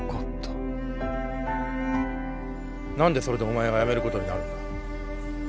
何でそれでお前がやめることになるんだ